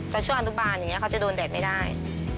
แต่ช่วงอนุบาลอย่างนี้เขาจะโดนแดดไม่ได้